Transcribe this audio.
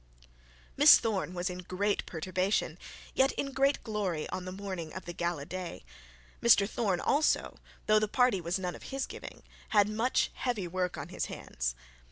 Miss Thorne was in great perturbation, yet in great glory, on the morning of this day. Mr Thorne also, though the party was none of his giving, had much heavy work on his hands.